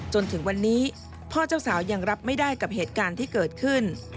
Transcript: จนถึงวันนี้พ่อเจ้าสาวยังรับไม่ได้กับเหตุการณ์ที่เกิดขึ้น